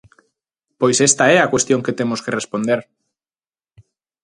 Pois esta é a cuestión que temos que responder.